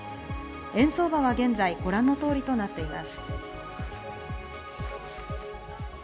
円相場は現在ご覧の通りとなっています。